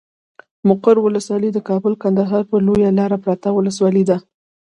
مقر ولسوالي د کابل کندهار پر لويه لاره پرته ولسوالي ده.